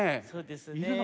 そうですね。